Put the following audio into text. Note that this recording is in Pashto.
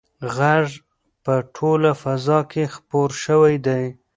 غږ په ټوله فضا کې خپور شوی دی.